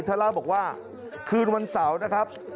เล่าบอกว่าคืนวันเสาร์นะครับ